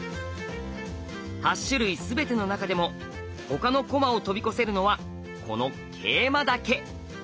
８種類全ての中でも他の駒を飛び越せるのはこの桂馬だけ。